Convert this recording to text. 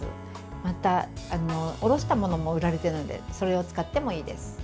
また、おろしたものも売られているのでそれを使ってもいいです。